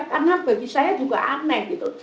karena bagi saya juga aneh gitu